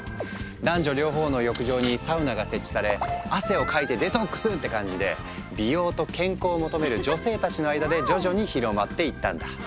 男女両方の浴場にサウナが設置され「汗をかいてデトックス！」って感じで美容と健康を求める女性たちの間で徐々に広まっていったんだ。